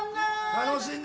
楽しんで。